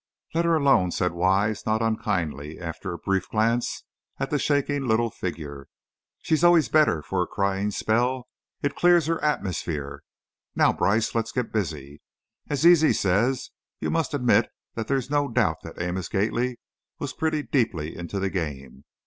"Let her alone," said Wise, not unkindly, after a brief glance at the shaking little figure. "She's always better for a crying spell. It clears her atmosphere. Now, Brice, let's get busy. As Zizi says, you must admit that there's no doubt that Amos Gately was pretty deeply into the game.